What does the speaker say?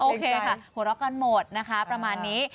โอเคค่ะหัวเราะกันหมดนะคะประมาณนี้